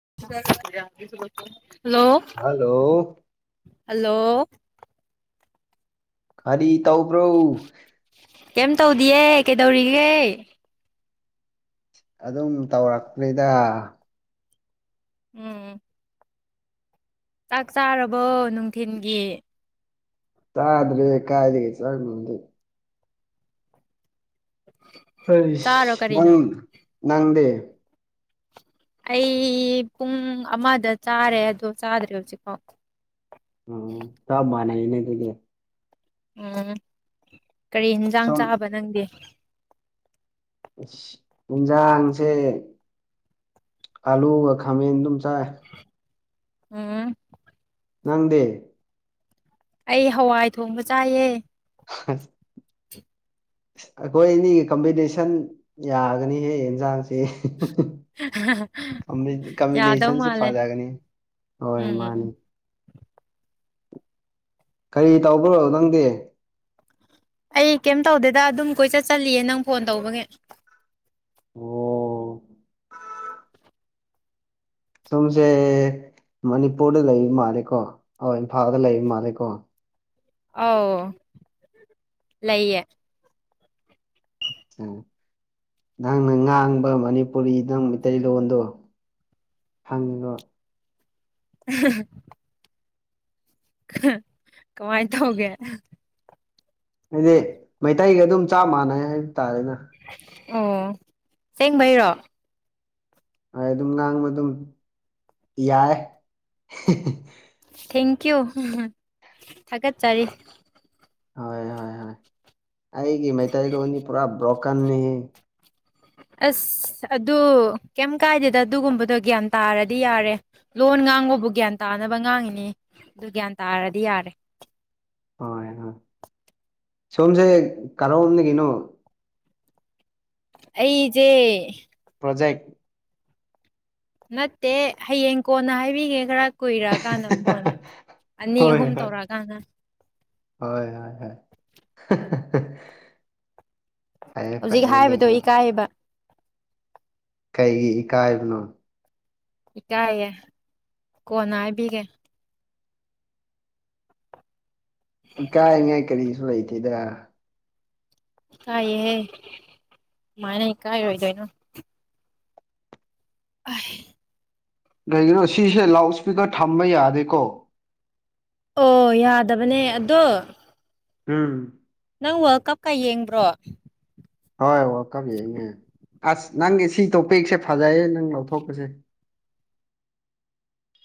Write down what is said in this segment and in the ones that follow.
[unintelligible] hello hello ꯈꯔꯤ ꯇꯧ ꯄ꯭ꯔꯧ ꯀꯩꯝ ꯇꯧꯗꯤꯌꯦ ꯀꯩꯗꯧꯔꯤꯒꯦ ꯑꯗꯨꯝ ꯇꯧꯔꯛꯇ꯭ꯔꯤꯗ ꯎꯝ ꯆꯥꯛ ꯆꯥꯔꯕꯣ ꯅꯨꯡꯊꯤꯤꯟꯒꯤ ꯆꯥꯗ꯭ꯔꯦ ꯀꯥꯏꯗꯒ ꯆꯪꯦ ꯁ ꯆꯥꯔꯣ ꯀꯔꯤꯅꯣ ꯅꯪ ꯅꯪꯗꯦ ꯑꯩ ꯄꯨꯡ ꯑꯃꯗ ꯆꯥꯔꯦ ꯑꯗꯣ ꯆꯥꯗ꯭ꯔꯦ ꯍꯧꯖꯤꯛꯐꯥꯎ ꯎ ꯇꯕ ꯃꯥꯅ ꯏꯅꯦ ꯀꯗꯤ ꯎꯝ ꯀꯔꯤ ꯌꯦꯟꯁꯥꯡ ꯁꯨꯝ ꯆꯥꯕ ꯅꯪꯗꯤ ꯑ ꯌꯦꯟꯖꯥꯡꯁꯦ ꯑꯂꯨ ꯋꯥ ꯈꯥꯃꯦꯟ ꯇꯝ ꯆꯥꯦ ꯎꯝ ꯅꯪꯗꯦ ꯑꯩ ꯍꯋꯥꯏ ꯊꯣꯡꯕ ꯆꯥꯏꯌꯦ ꯑ ꯑꯩꯈꯣꯏ ꯑꯅꯤꯒꯤ ꯀꯝꯄꯤꯇꯤꯁꯟ ꯌꯥꯒꯅꯤꯍꯦ ꯌꯦꯟꯁꯥꯡꯁ ꯀ ꯌꯥꯗꯧ ꯀꯝꯕꯤꯅꯦꯁꯟ ꯁꯤ ꯃꯥꯜꯂꯦ ꯐꯥꯖꯒꯅꯤ ꯍꯣꯏ ꯎꯝ ꯃꯥꯅꯦ ꯀꯔꯤ ꯇꯧꯕ꯭ꯔꯣ ꯅꯪꯗꯤ ꯑꯩ ꯀꯩꯝ ꯇꯧꯗꯦꯗ ꯑꯗꯨꯝ ꯀꯣꯏ ꯆꯠ ꯆꯂꯤꯌꯦ ꯅꯪ ꯐꯣꯟ ꯇꯧꯕꯒꯤꯦ ꯑꯣ ꯁꯨꯝꯁꯦ ꯃꯅꯤꯄꯨꯔꯗ ꯂꯩꯕ ꯃꯥꯜꯂꯦꯀꯣ ꯍ ꯏꯝꯐꯥꯜꯗ ꯂꯩꯕ ꯃꯥꯜꯂꯦꯀꯣ ꯑ ꯂꯩꯌꯦ ꯎ ꯅꯪꯅ ꯉꯥꯡꯕ ꯃꯅꯤꯄꯨꯔꯤ ꯅꯪ ꯃꯩꯇꯩꯂꯣꯟꯗꯣ ꯐꯪꯉꯤꯕꯣ [unintelligible] ꯀꯃꯥꯏꯅ ꯇꯧꯒꯦ ꯍꯥꯏꯗꯤ ꯃꯩꯇꯩꯒ ꯑꯗꯨꯝ ꯆꯞ ꯃꯥꯟꯅꯩ ꯍꯥꯏꯕ ꯇꯥꯔꯦꯅꯦ ꯑꯣ ꯁꯦꯡꯕꯩꯔꯣ ꯍꯣꯏ ꯑꯗꯨꯝ ꯉꯥꯡꯕ ꯑꯗꯨꯝ ꯌꯥꯏ ꯊꯦꯡꯀꯤ꯭ꯌꯨ ꯊꯀꯦꯠꯆꯔꯤ ꯍꯣꯏ ꯍꯣꯏ ꯍꯣꯏ ꯑꯩꯒꯤ ꯃꯩꯇꯩꯂꯣꯟꯣꯟꯗꯤ ꯄꯨꯔꯥ ꯕ꯭ꯔꯣꯀꯟꯅꯤ [unintelligible] ꯑꯁ ꯑꯗꯨ ꯀꯩꯝ ꯀꯥꯏꯗꯦꯗ ꯑꯗꯨꯒꯨꯝꯕꯗꯣ ꯒ꯭ꯌꯥꯟ ꯇꯥꯔꯗꯤ ꯌꯥꯔꯦ ꯂꯣꯟ ꯉꯥꯡꯕꯨ ꯑꯗꯨꯕꯨ ꯒ꯭ꯌꯥꯟ ꯇꯥꯅꯕ ꯉꯥꯡꯉꯤꯅꯦ ꯑꯗꯨ ꯒ꯭ꯌꯥꯟ ꯇꯥꯔꯗꯤ ꯌꯥꯔꯦ ꯍꯣꯏ ꯁꯣꯝꯁꯦ ꯀꯔ‌ꯣꯝꯗꯒꯤ ꯀꯩꯅꯣ ꯑꯩꯁꯦ ꯄ꯭ꯔꯣꯖꯦꯛ ꯅꯠꯇꯦ ꯍꯌꯦꯡ ꯀꯣꯟꯅ ꯍꯥꯏꯕꯤꯒꯦ ꯈꯔ ꯀꯨꯏꯔꯛꯑꯀꯥꯟꯗ ꯐꯣꯟ ꯑꯅꯤ ꯍꯣꯏ ꯑꯍꯨꯝ ꯍꯣꯏ ꯇꯧꯔꯛꯑꯀꯥꯟꯗ ꯍꯣꯏ ꯍꯣꯏ ꯍꯣꯏ ꯐꯩꯌꯦ ꯍꯧꯖꯤꯛ ꯐꯩꯌꯦ ꯍꯥꯏꯕꯗꯣ ꯑꯗꯨꯁꯨ ꯏꯀꯥꯏꯌꯦꯕ ꯀꯩꯒꯤ ꯏꯀꯥꯏꯕꯅꯣ ꯏꯀꯥꯏꯌꯦ ꯀꯣꯟꯅ ꯍꯥꯏꯕꯤꯒꯦ ꯏ ꯀꯥꯏ ꯉꯥꯏ ꯀꯔꯤꯁꯨ ꯂꯩꯇꯦꯗ ꯀꯥꯏꯑꯍꯦ ꯁꯃꯥꯏꯅ ꯀꯥꯏꯔꯣꯏꯗꯣꯏꯅꯣ ꯑ ꯀꯩꯒꯤꯅꯣ ꯁꯤꯁꯦ ꯂꯥꯎꯠ ꯏꯁꯄꯤꯀꯔ ꯊꯝꯕ ꯌꯥꯗꯦꯀꯣ ꯑꯣ ꯌꯥꯗꯕꯅꯦ ꯑꯗꯣ ꯎꯝ ꯅ ꯅꯪ ꯋꯥꯔꯜ ꯀꯞꯀ ꯌꯦꯡꯕ꯭ꯔꯣ ꯍꯣꯏ ꯋꯥꯀꯝ ꯌꯦꯡꯉꯦ ꯑꯁ ꯅꯪꯒꯤ ꯁꯤ ꯇꯣꯄꯦꯛꯁꯦ ꯐꯖꯩꯌꯦ ꯅꯪ ꯂꯧꯊꯣꯛꯄꯁꯦ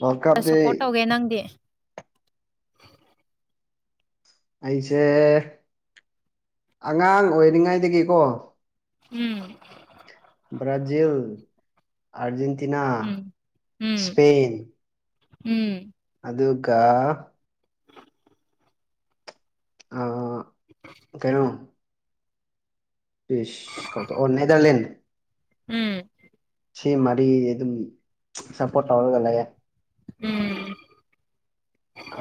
ꯋꯥꯔꯜ ꯀꯞꯇꯤ ꯁꯞꯄꯣꯔꯠ ꯇꯧꯒꯦ ꯅꯪꯗꯤ ꯑꯩꯁꯦ ꯑꯉꯥꯡ ꯑꯣꯏꯔꯤꯉꯥꯏꯗꯒꯤꯀꯣ ꯎꯝ ꯕ꯭ꯔꯥꯖꯤꯜ ꯑꯔꯖꯦꯟꯇꯤꯅꯥ ꯎꯝ ꯎꯝ ꯏꯁ꯭ꯄꯦꯟ ꯎꯝ ꯑꯗꯨꯒꯗꯨ ꯀ ꯑ ꯀꯩꯅꯣ ꯁ ꯀ ꯑꯣ ꯅꯦꯗꯔꯂꯦꯟ ꯎꯝ ꯁꯤ ꯃꯔꯤ ꯑꯗꯨꯝ ꯁꯞꯄꯣꯔꯠ ꯇꯧꯔꯒ ꯂꯩꯑꯦ ꯎꯝ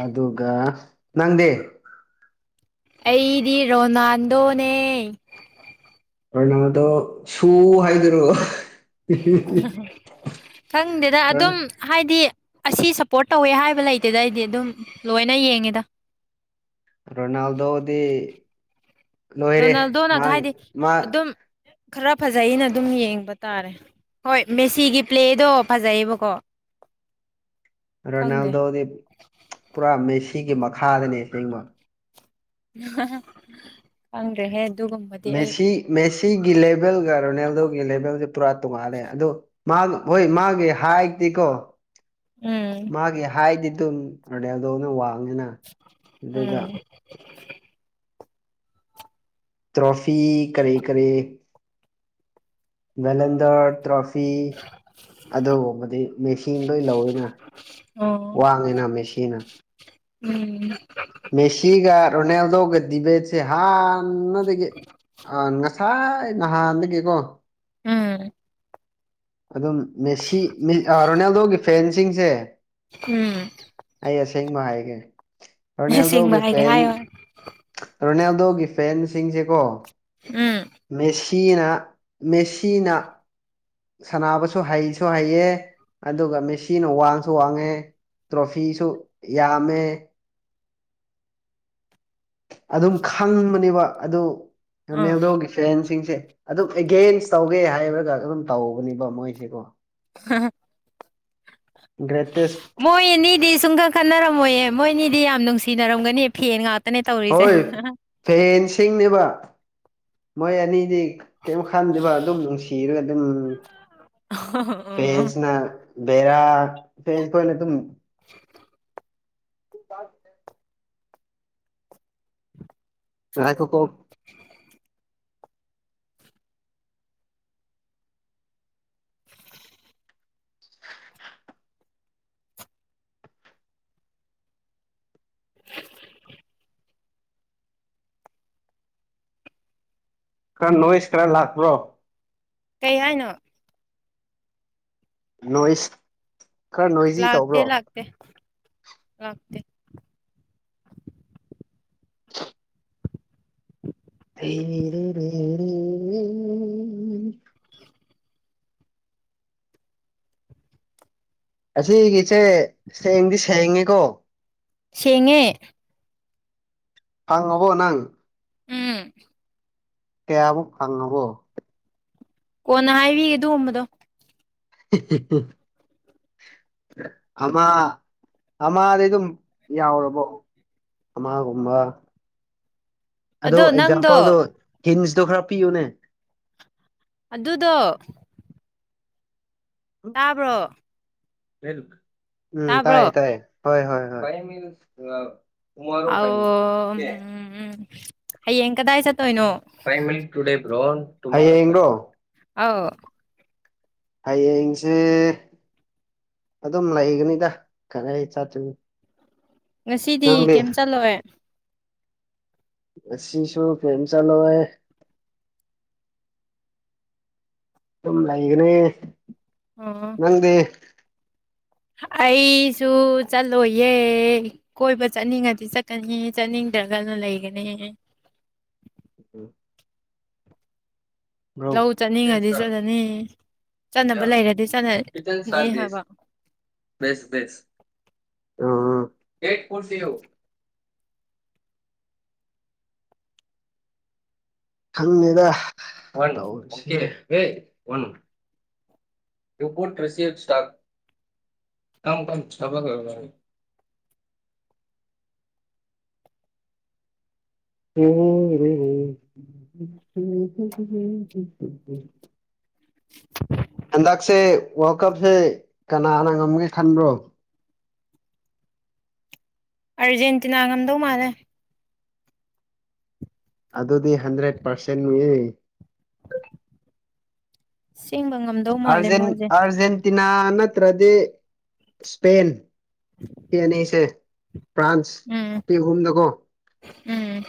ꯑꯗꯨꯒ ꯅꯪꯗꯦ ꯑꯩꯗꯤ ꯔꯣꯅꯥꯜꯗꯣꯅꯦ ꯑꯣꯔꯅꯥꯗꯣ ꯁꯨ ꯍꯥꯏꯗꯨꯔꯣꯑꯣ ꯈꯪꯗꯦꯗ ꯔꯣꯟ ꯑꯗꯨꯝ ꯍꯥꯏꯗꯤ ꯑꯁꯤ ꯁꯞꯄꯣꯔꯠ ꯇꯧꯋꯦ ꯍꯥꯏꯕ ꯂꯩꯇꯦꯗ ꯑꯩꯗꯤ ꯑꯗꯨꯝ ꯂꯣꯏꯅ ꯌꯦꯡꯉꯤꯗ ꯔꯣꯅꯥꯜꯗꯣꯗꯤ ꯂꯣꯏꯔꯦ ꯔꯣꯅꯥꯜꯗꯣꯅ ꯃꯥꯒꯤ ꯍꯥꯏꯗꯤ ꯃꯥ ꯑꯗꯨꯝ ꯈꯔ ꯐꯖꯩꯅ ꯑꯗꯨꯝ ꯌꯦꯡꯕ ꯇꯥꯔꯦ ꯍꯣꯏ ꯃꯦꯁꯤꯒꯤ ꯄ꯭ꯂꯦꯗꯣ ꯐꯖꯩꯌꯦꯕꯀꯣ [unintelligible] ꯈꯪꯗꯦ ꯔꯣꯅꯥꯜꯗꯣꯗꯤ ꯄꯨꯔꯥ ꯃꯦꯁꯤꯒꯤ ꯃꯈꯥꯗꯅꯦꯁꯦꯡꯕ ꯈꯪ꯭ꯗꯔꯦ ꯍꯦ ꯃꯦꯁꯤ ꯃꯦꯁꯤꯒꯤ ꯂꯦꯚꯦꯜꯒ ꯔꯣꯅꯥꯜꯗꯣꯒꯤ ꯂꯦꯚꯦꯜꯁꯦ ꯄꯨꯔꯥ ꯇꯣꯡꯉꯥꯜꯂꯦ ꯑꯗꯣ ꯃꯥꯒꯤ ꯍꯣꯏ ꯃꯥꯒꯤ ꯍꯥꯏꯠꯇꯤꯀꯣ ꯎꯝ ꯃꯥꯒꯤ ꯍꯥꯏꯠꯇꯤ ꯑꯗꯨꯝ ꯑꯔꯗꯤꯌꯥꯗꯧꯅ ꯋꯥꯡꯉꯤꯅ ꯑꯗꯨꯒ ꯎꯝ ꯇ꯭ꯔꯣꯐꯤ ꯀꯦ ꯀꯦ ꯚꯦꯂꯦꯟꯗꯔ ꯇ꯭ꯔꯣꯐꯤ ꯑꯗꯨꯕꯨꯕ ꯃꯦꯆꯤꯟ ꯂꯣꯏ ꯂꯧꯋꯦꯅ ꯑꯣ ꯋꯥꯡꯉꯤꯅ ꯃꯦꯆꯤꯟꯅ ꯎꯝ ꯔꯣꯅꯦꯜꯗꯣꯒ ꯗꯤꯕꯦꯠꯁꯦ ꯍꯥꯟꯅꯗꯒꯤ ꯑ ꯉꯁꯥꯏ ꯅꯍꯥꯟꯅꯗꯒꯤꯀꯣ ꯎꯝ ꯑꯗꯨꯝ ꯃꯦꯁꯤ ꯔꯣꯅꯥꯜꯗꯣꯒꯤ ꯐꯦꯟꯁꯤꯡꯁꯦ ꯎꯝ ꯑꯩ ꯑꯁꯦꯡꯕ ꯍꯥꯏꯒꯦ ꯑꯁꯦꯡꯕ ꯔꯣꯅꯥꯜꯗꯣꯒꯤ ꯍꯥꯏꯒꯦ ꯐꯦꯟ ꯍꯥꯏꯌꯣ ꯔꯣꯅꯥꯜꯗꯣꯒꯤ ꯐꯦꯟꯁꯤꯡꯁꯦꯀꯣ ꯎꯝ ꯃꯦꯁꯤꯅꯥ ꯃꯦꯁꯤꯅꯥ ꯁꯅꯕꯁꯨ ꯍꯩꯁꯨ ꯍꯩꯌꯦ ꯑꯗꯨꯒ ꯃꯦꯁꯤꯤꯅ ꯋꯥꯡꯁꯨ ꯋꯥꯡꯉꯦ ꯇ꯭ꯔꯣꯐꯤꯁꯨ ꯌꯥꯝꯃꯦ ꯑꯗꯨꯝ ꯈꯪꯕꯅꯦꯕ ꯑꯗꯨ ꯑꯥ ꯔꯣꯅꯦꯜꯗꯣꯒꯤ ꯐꯦꯟꯁ ꯁꯤꯡꯁꯦ ꯑꯗꯨꯝ ꯑꯦꯒꯦꯟꯁ ꯇꯧꯒꯦ ꯍꯥꯏꯔꯒ ꯑꯗꯨꯝ ꯇꯧꯧꯕꯅꯦꯕ ꯃꯣꯏꯁꯤꯦꯀꯣ ꯑ ꯒ꯭ꯔꯦꯇꯦꯁ ꯃꯣꯏꯅꯤꯗꯤ ꯁꯨꯡꯈ ꯈꯟꯅꯔꯝꯃꯣꯏꯌꯦ ꯃꯣꯏꯅꯤꯗꯤ ꯌꯥꯝ ꯅꯨꯡꯁꯤꯅꯔꯝꯒꯅꯤ ꯐꯦꯟ ꯉꯥꯛꯇ ꯍꯣꯏ ꯐꯦꯟꯁꯤꯡꯅꯦꯕ ꯃꯣꯏ ꯑꯅꯤꯗꯤ ꯀꯩꯣ ꯈꯥꯟꯗꯕ ꯑꯗꯨꯝ ꯅꯨꯡꯁꯤꯔꯒ ꯑꯗꯨꯝ ꯐꯦꯟꯁꯅ ꯦꯔ ꯐꯦꯖ ꯀꯅꯠꯇ ꯄꯗ ꯥꯏ ꯈꯀ ꯀꯔ ꯅꯣꯋꯁꯀ꯭ꯔ ꯂꯥꯛ꯭ꯔꯣ ꯀꯩ ꯍꯥꯏꯅꯣ ꯅꯣꯏꯁ ꯈꯔ ꯅꯣꯏꯖꯤ ꯇꯧꯕ꯭ꯔꯣ ꯂꯥꯛꯇ ꯔ ꯑꯁꯤꯒꯤꯆꯦ ꯁꯦꯡꯗꯤ ꯁꯦꯡꯉꯦꯀꯣ ꯁꯦꯉꯦ ꯊꯪ ꯍꯕꯣ ꯅꯪ ꯎꯝ ꯀꯌꯥꯕ ꯐꯪꯉꯕꯣ ꯀꯣꯟꯅ ꯍꯥꯏꯕꯤ ꯑꯗꯨꯒꯨꯝꯕꯗꯣ ꯎ ꯎ ꯑꯃꯥ ꯑꯃꯥꯗꯤ ꯑꯗꯨꯝ ꯌꯥꯎꯔꯕꯣ ꯑꯃꯒꯨꯝꯝꯕ ꯑꯗꯣ ꯑꯦꯛꯖꯥꯝꯄꯜꯗꯣ ꯍꯤꯟꯁꯇꯣ ꯈꯔ ꯄꯤꯌꯨꯅꯦ ꯑꯗꯨꯗꯣ ꯇꯥꯕ꯭ꯔꯣ ꯎꯝ ꯇꯥꯕ꯭ꯔꯣ ꯇꯥꯏꯌꯦ ꯇꯥꯏꯌꯦ ꯍꯣꯏ ꯍꯣꯏ ꯍꯣꯏ ꯑ ꯑꯩꯌꯦꯡ ꯀꯗꯥ ꯍꯥꯏ ꯆ ꯥꯏꯨꯦ ꯭ꯔꯣ꯭ꯔꯣ ꯑ ꯍꯌꯦꯡꯁꯦ ꯑꯗꯨꯝ ꯂꯩꯒꯅꯤꯗ ꯀꯔ ꯆꯠꯇꯒ ꯉꯁꯤꯗꯤ ꯀꯩꯝ ꯆꯠꯂꯦ ꯑꯁꯤꯁꯤꯁꯨꯨ ꯐꯦꯦꯝ ꯆꯂꯦ ꯁꯝ ꯂꯩꯒꯅꯤ ꯑꯣ ꯅꯪꯗꯤꯦ ꯑꯩꯁꯨ ꯆꯠꯂꯣꯏꯌꯦ ꯀꯣꯏꯕ ꯆꯠꯅꯤꯡꯉꯗꯤ ꯆꯠꯀꯅꯤ ꯆꯠꯅꯤꯡ ꯒꯜꯅ ꯂꯩꯒꯅꯦ ꯎ ꯕ꯭ꯔꯣ ꯂꯧ ꯆꯠꯅꯤꯡꯉꯗꯤ ꯆꯠꯂꯅꯤ ꯆꯠꯅꯕ ꯂꯩꯔꯗꯤ ꯆꯠꯅꯅꯤ ꯍꯥꯏꯕ ꯁꯁ ꯑ ꯀꯁꯤ ꯊꯗ ꯋꯥ ꯋꯥꯣ ꯌꯄꯣꯠ ꯔꯁꯤꯌꯥ ꯁꯇꯥ ꯀꯝ ꯀ ꯁꯕꯒꯅꯤ [unintelligible] [unintelligible] [unintelligible] [unintelligible] [inaudible] ꯍꯟꯗꯛꯁꯦ ꯋꯥꯔꯜ ꯀꯞꯁꯦ ꯀꯅꯥꯅ ꯉꯝꯒꯦ ꯈꯟꯕ꯭ꯔꯣ [unintelligible] ꯑꯔꯖꯦꯟꯇꯤꯅꯥ ꯉꯝꯗꯧ ꯃꯥꯜꯂꯦ ꯑꯗꯨꯗꯤ ꯍꯟꯗ꯭ꯔꯦꯠ ꯄꯥꯔꯁꯦꯟ ꯅꯨꯌꯦ ꯁꯦꯡꯕ ꯉꯝꯗꯧ ꯑ ꯃꯥꯜꯂꯦ ꯃꯣꯏꯁꯦ ꯑꯔꯖꯦꯟꯇꯤꯟ ꯅꯥ ꯅꯠꯇ꯭ꯔꯗꯤ ꯏꯁꯄꯦꯟ ꯀꯅꯤꯁ ꯐ꯭ꯔꯥꯟꯁ ꯎꯝ ꯄ ꯑꯍꯨꯝꯗꯀꯣ ꯎꯝ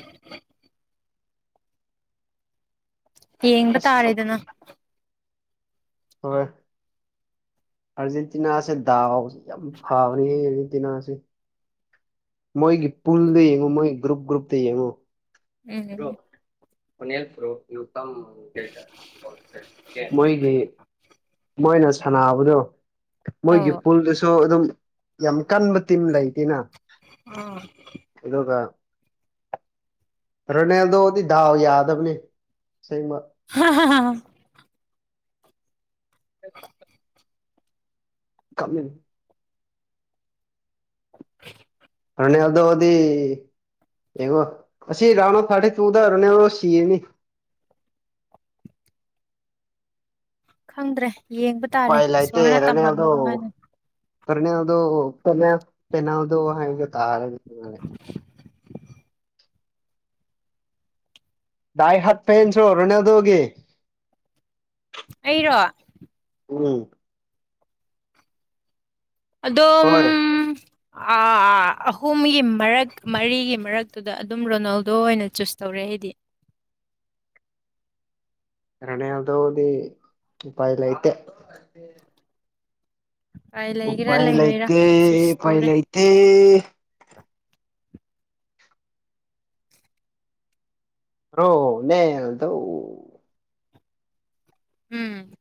ꯌꯦꯡꯕ ꯑꯁ ꯇꯥꯔꯦꯗꯅ ꯍꯣꯏ ꯑꯔꯖꯦꯟꯇꯤꯅꯥ ꯑꯁꯦ ꯗ ꯌꯥꯝ ꯐꯥꯎꯅꯤ ꯑꯔꯖꯦꯟꯇꯤꯅꯥ ꯑꯁꯦ ꯃꯣꯏꯒꯤ ꯄꯨꯜꯗ ꯌꯦꯡꯉꯨ ꯃꯣꯏ ꯒ꯭ꯔꯨꯞ ꯒ꯭ꯔꯨꯞꯇ ꯌꯦꯡꯉꯨ ꯎꯝꯝ ꯅꯦꯜ ꯐ꯭ꯔꯣ ꯇꯝ ꯀꯦꯇꯔ ꯃꯣꯏꯣꯏꯒꯤ ꯃꯣꯏꯅ ꯁꯥꯟꯅꯕꯗꯣ ꯃꯣꯏꯒꯤ ꯑꯧ ꯄꯨꯜꯗꯨꯁꯨ ꯑꯗꯨꯝ ꯌꯥꯝ ꯀꯟꯕ ꯇꯤꯝ ꯂꯩꯇꯦꯅ ꯑꯥ ꯑꯗꯨꯒ ꯔꯅꯗꯣꯗꯤ ꯗꯥꯎ ꯌꯥꯗ ꯑꯃꯅꯤꯅꯤ [unintelligible] [unintelligible] ꯀꯞꯂꯅꯤ [unintelligible] ꯐꯅ ꯑꯗꯣꯗꯤ ꯏꯉꯣ ꯑꯁꯤ ꯔꯥꯎꯅꯣ ꯐꯔꯇꯤ ꯇꯨꯗꯔꯅꯦ ꯁꯤꯅꯤ [unintelligible] ꯈꯪꯗ꯭ꯔꯦ ꯌꯦꯡꯕ ꯇꯥꯔꯦ ꯎꯄꯥꯏ ꯏꯁꯣꯔꯅ ꯇꯝꯃꯝꯕꯗ ꯍꯥꯏꯅ ꯐꯅ ꯑꯗꯨꯣꯅ ꯑꯗꯨꯣ ꯍꯥꯏ ꯇꯥꯔ ꯗꯥꯏ ꯍꯥꯠ ꯄ ꯏꯟꯁ ꯑꯣꯏꯔꯅꯗꯧꯒꯦ ꯑꯩꯔꯣ ꯔꯨꯛ ꯑꯗꯣ ꯍꯣꯏ ꯑꯍꯨꯝꯒꯤ ꯃꯔꯛ ꯃꯔꯤꯒꯤ ꯃꯔꯛꯇꯨꯗ ꯑꯗꯨꯝ ꯔꯣꯅꯥꯜꯗꯣ ꯑꯣꯏꯅ ꯆꯨꯁ ꯇꯧꯔꯦ ꯑꯩꯗꯤ [unintelligible] ꯀꯔꯅꯦꯗꯣꯗꯤ ꯎꯄꯥꯏ ꯂꯩꯥꯏꯇꯦ ꯎꯄꯥꯏ ꯎ ꯂꯩꯒꯦꯔꯥ ꯄꯥꯏ ꯂꯩ ꯂꯩꯔꯣꯏꯔꯥ ꯂꯩꯇ ꯆꯨꯁ ꯄꯥꯏ ꯇꯧꯔꯦ ꯂꯩꯇ ꯍ ꯅꯗ ꯎꯝ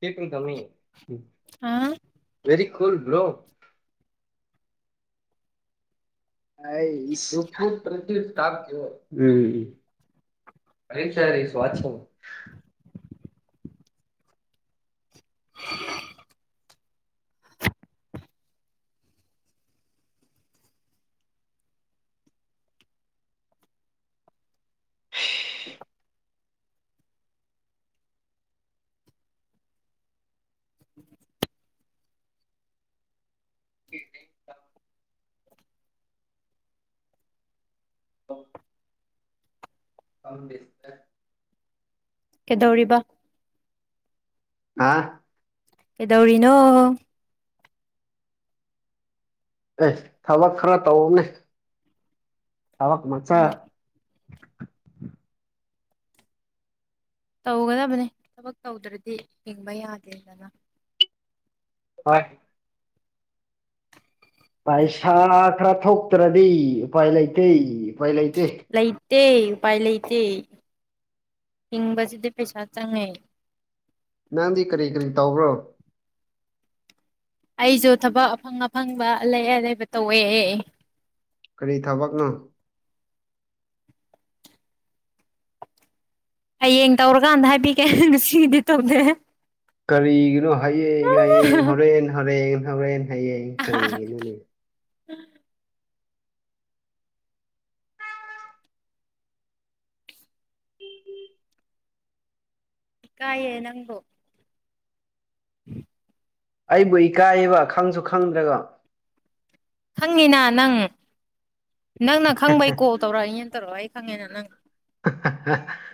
ꯀꯦ ꯄ꯭ꯔꯣ ꯇ ꯑꯥ ꯔꯤ ꯀꯨ ꯭ꯔꯣ ꯊꯝ ꯁ ꯋꯥꯠꯁ ꯀꯝ ꯦꯁꯇ ꯀꯩꯗꯧꯔꯤꯕ ꯑ ꯑꯦꯗꯧꯔꯤꯅꯣ ꯑꯦ ꯊꯕꯛ ꯈꯔ ꯇꯧꯅꯦ ꯊꯕꯛ ꯃꯆꯥ ꯎꯝ ꯇꯧꯒꯗꯕꯅꯤ ꯊꯕꯛ ꯇꯧꯗ꯭ꯔꯗꯤ ꯍꯤꯡꯕ ꯌꯥꯗꯦꯗꯅ ꯍꯣꯏ ꯄꯩꯁꯥ ꯈꯔ ꯊꯣꯛꯇ꯭ꯔꯗꯤ ꯎꯄꯥꯏ ꯂꯩꯇꯦ ꯎꯄꯥꯏ ꯂꯩꯇꯦ ꯠꯇꯦ ꯎꯄꯥꯏ ꯂꯩꯇꯦ ꯍꯤꯡꯕꯁꯤꯗꯤ ꯄꯩꯁꯥ ꯆꯪꯉꯦ ꯅꯪꯗꯤ ꯀꯔꯤ ꯀꯔꯤ ꯇꯧꯕ꯭ꯔꯣ ꯑꯩꯁꯨ ꯊꯕꯛ ꯑꯐꯪ ꯑꯐꯪꯕ ꯂꯩꯑ ꯂꯩꯕ ꯇꯧꯋꯦ ꯑꯦ ꯀꯔꯤ ꯊꯕꯛꯅꯣ ꯍꯌꯦꯡ ꯇꯧꯔꯀꯥꯟꯗ ꯍꯥꯏꯕꯤꯒꯦ ꯅꯨꯡꯁꯤꯒꯤꯗꯤ ꯇꯧꯗꯦ ꯀꯔꯤꯒꯤꯅꯣ ꯍꯌꯦꯡ ꯍꯌꯦꯡ ꯍꯣꯔꯦꯟ ꯍꯣꯔꯦꯟ ꯍꯣꯔꯦꯟ ꯍꯌꯦꯡ ꯀꯔꯤꯒꯤꯅꯣ ꯎꯝ ꯀꯥꯏꯦ ꯅꯪꯒꯣ ꯎꯝ ꯑꯩꯕꯨ ꯏꯀꯥꯏꯌꯦꯕ ꯈꯪꯁꯨ ꯈꯪꯗ꯭ꯔꯒ ꯍꯪꯉꯤꯅꯥ ꯅꯪ ꯅꯪꯅ ꯈꯪꯕ ꯑꯩ ꯀꯣꯜ ꯇꯧꯔꯛꯑꯅꯤꯅꯦꯅ ꯇꯧꯔꯛꯒ ꯑꯩ ꯈꯪꯉꯦꯅ ꯅꯪꯅ [inaudible]